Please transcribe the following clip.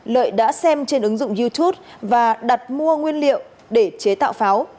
lợi đã xem trên ứng dụng youtube và đặt mua nguyên liệu để chế tạo pháo